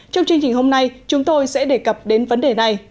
trong chương trình hôm nay chúng tôi sẽ đề cập đến vấn đề này